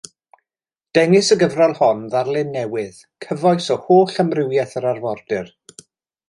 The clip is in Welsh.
Dengys y gyfrol hon ddarlun newydd, cyfoes o holl amrywiaeth yr arfordir.